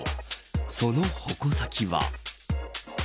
その矛先は。